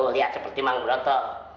lihat seperti mang broto